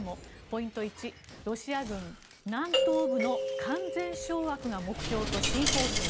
ポイント１、ロシア軍南東部の完全掌握が目標と新方針。